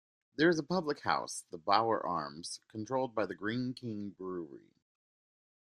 There is a public house, the Bowyer Arms, controlled by Greene King Brewery.